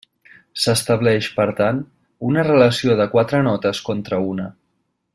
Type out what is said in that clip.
S'estableix, per tant, una relació de quatre notes contra una.